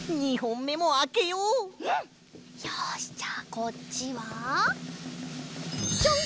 よしじゃあこっちはジャン！